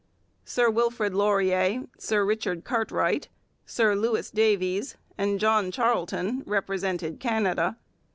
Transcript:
Sir Wilfrid Laurier, Sir Richard Cartwright, Sir Louis Davies, and John Charlton represented Canada.